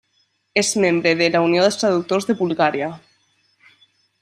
És membre de la Unió dels Traductors de Bulgària.